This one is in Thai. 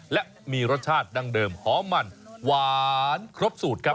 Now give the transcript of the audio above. และมีรสชาติดั้งเดิมหอมมันหวานครบสูตรครับ